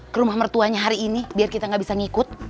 ke rumah mertuanya hari ini biar kita gak bisa ngikut